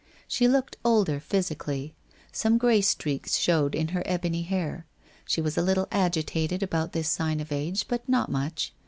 She looked older physically. Some grey streaks showed in her ebony hair. She wa6 a little agitated about this sign of age, but not much.